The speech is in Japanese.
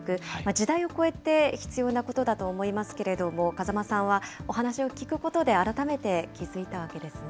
時代を超えて必要なことだと思いますけど、風間さんは、お話を聞くことで改めて気付いたわけですね。